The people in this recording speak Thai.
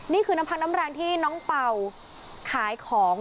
นี่คือน้ำพักน้ำแรงที่น้องเป่าขายของ